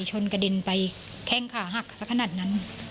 โดยส่งพิจารณีชนกระทนไปแค่งค่าหักสักขนาดนั้น